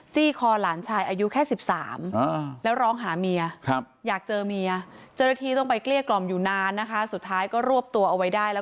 จี้คอหลานชายอายุแค่๑๓